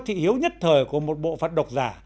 thị hiếu nhất thời của một bộ phận độc giả